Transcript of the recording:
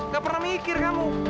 gak pernah mikir kamu